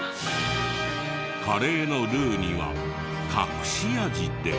カレーのルーには隠し味で。